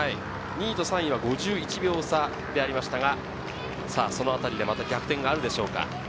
２位と３位は５１秒差ありましたがそのあたりでまた逆転があるでしょうか。